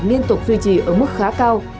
liên tục duy trì ở mức khá cao